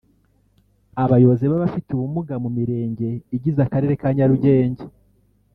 Abayobozi b’abafite ubumuga mu Mirenge igize Akarere ka Nyarugenge